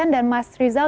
dan mas rizal